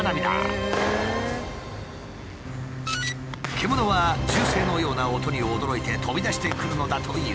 獣は銃声のような音に驚いて飛び出してくるのだという。